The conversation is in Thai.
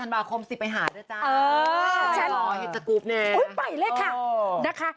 ความสุข